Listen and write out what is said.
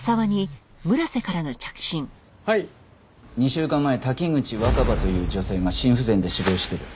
２週間前滝口若葉という女性が心不全で死亡してる。